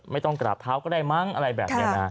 ไม่ต้องกราบเท้าก็ได้มั้งอะไรแบบนี้นะ